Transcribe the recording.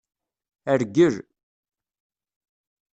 Rgel.